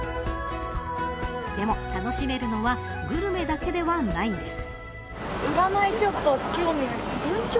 でも、楽しめるのはグルメだけではないんです。